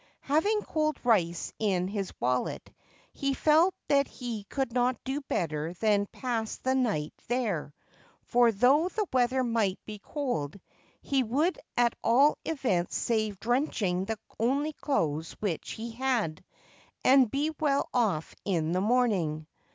Having cold rice in his wallet, he felt that he could not do better than pass the night there ; for, though the weather might be cold, he would at all events save drenching the only clothes which he had, and be well off in the morning.